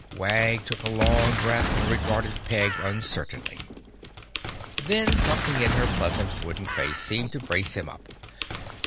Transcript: Wag took a long breath and regarded Peg uncertainly. Then something in her pleasant wooden face seemed to brace him up.